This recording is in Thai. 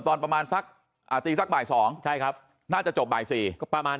ตอนประมาณสักอ่าตีสักบ่ายสองใช่ครับน่าจะจบบ่ายสี่ก็ประมาณ